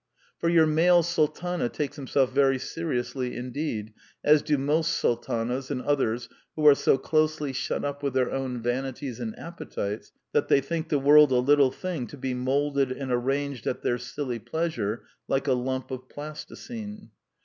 For your male sultana takes himself very seriously indeed, as do most sultanas and others who are so closely shut up with their own vanities and appetites that they think the world a little thing to be moulded and arranged at their silly pleasure like a lump of plasticine.